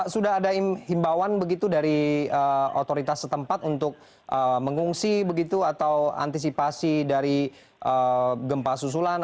sudah ada himbawan begitu dari otoritas setempat untuk mengungsi begitu atau antisipasi dari gempa susulan